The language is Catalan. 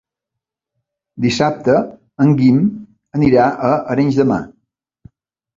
Dissabte en Guim anirà a Arenys de Mar.